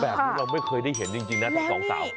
แบบนี้เราไม่เคยได้เห็นจริงนะทั้งสองสาว